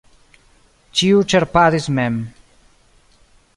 Ĉiu ĉerpadis mem.